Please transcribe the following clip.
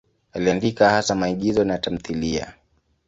Aliandika hasa maigizo na tamthiliya.